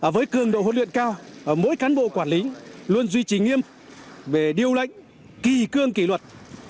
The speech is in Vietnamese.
với cường độ huấn luyện cao mỗi cán bộ quản lý luôn duy trì nghiêm về điều lệnh kỳ cương kỳ luật